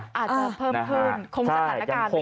อาจจะเพิ่มเพลิน